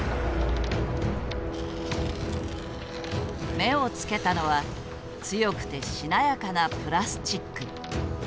目を付けたのは強くてしなやかなプラスチック。